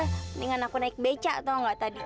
mendingan aku naik beca tau nggak tadi